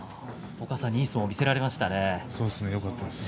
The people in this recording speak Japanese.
お母さんにいい相撲が見せられましたね。